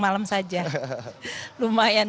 malam saja lumayan